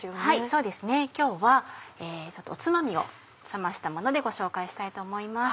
そうですね今日はおつまみを冷ましたものでご紹介したいと思います。